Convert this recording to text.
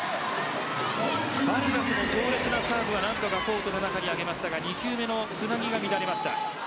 バルガスの強烈なサーブは何とかコートに上げましたが２球目のつなぎが乱れました。